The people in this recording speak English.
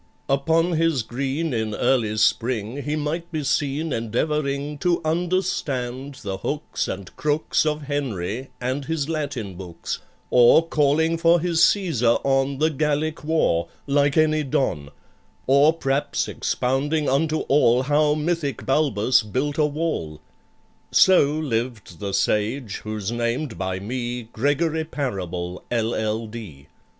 Upon his green in early spring He might be seen endeavouring To understand the hooks and crooks Of HENRY and his Latin books; Or calling for his "Cæsar on The Gallic War," like any don; Or, p'raps, expounding unto all How mythic BALBUS built a wall. So lived the sage who's named by me GREGORY PARABLE, LL.D.